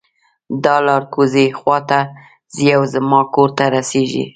دا لار کوزۍ خوا ته ځي او زما کور ته رسیږي